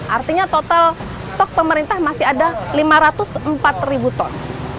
artinya total stok pemerintah masih ada lima ratus empat ribu ton